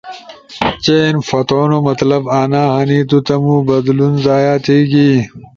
چئین پھتونو مطلب انا ہنی تو تمو بدلون ضائع تھیگی